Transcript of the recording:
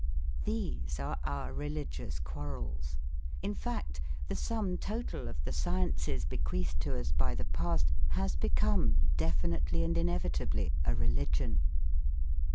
These are our religious quarrels. In fact the sum total of the sciences bequeathed to us by the past has become definitely and inevitably a religion.